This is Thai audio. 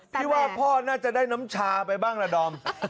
พี่ว่าพ่อน่าจะได้น้ำชาไปบ้างละดอม